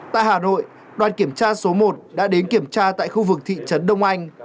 tại hà nội đoàn kiểm tra số một đã đến kiểm tra tại khu vực thị trấn đông anh